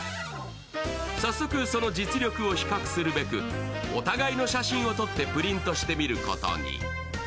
早速、その実力を比較するべくお互いの写真を撮ってプリントしてみることに。